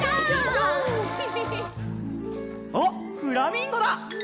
あっフラミンゴだ！